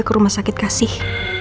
ke rumah sakit kasih